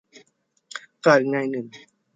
กล่าวอีกนัยหนึ่ง